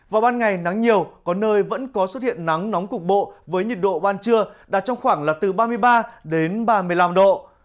vào ban ngày nắng nhiều có nơi vẫn có xuất hiện nắng nóng cục bộ với nhiệt độ ban trưa đạt trong khoảng là từ ba mươi ba đến ba mươi năm độ